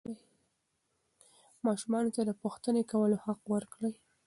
ماشومانو ته د پوښتنې کولو حق ورکړئ.